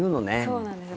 そうなんです。